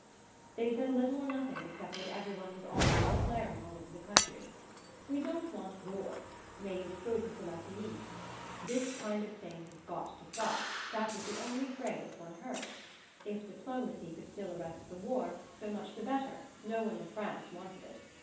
They said little or nothing except what every one was already declaring all over the country. "We don't want war mais it faut que cela finisse!" "This kind of thing has got to stop": that was the only phase one heard. If diplomacy could still arrest the war, so much the better: no one in France wanted it.